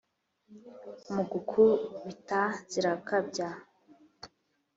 Mu gukubita zirakabya,